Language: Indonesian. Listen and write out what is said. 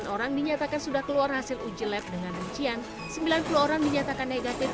sembilan orang dinyatakan sudah keluar hasil uji lab dengan rincian sembilan puluh orang dinyatakan negatif